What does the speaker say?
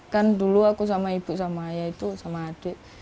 kan dulu aku sama ibu sama ayah itu sama adik